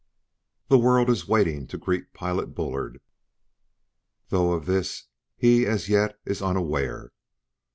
"The world is waiting to greet Pilot Bullard, though of this he, as yet, is unaware.